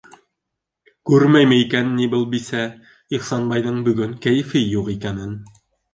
Күрмәйме икән ни был бисә Ихсанбайҙың бөгөн кәйефе юҡ икәнен?